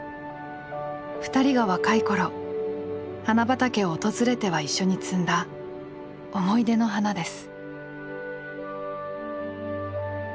２人が若い頃花畑を訪れては一緒に摘んだ思い出の花です。